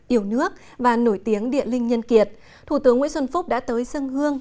yêu nước và nổi tiếng địa linh nhân kiệt thủ tướng nguyễn xuân phúc đã tới dân hương